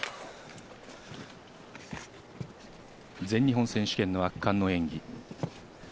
全日本選手権、圧巻の演技。